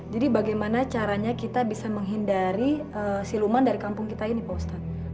jadi bagaimana caranya kita bisa menghindari siluman dari kampung kita ini pak ustadz